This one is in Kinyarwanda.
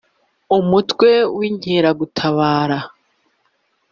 Umutwe w’Inkeragutabara